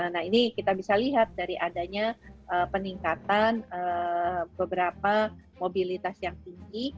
nah ini kita bisa lihat dari adanya peningkatan beberapa mobilitas yang tinggi